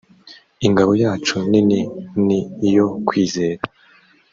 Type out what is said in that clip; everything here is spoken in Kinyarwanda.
ingabo yacu nini ni iyo kwizera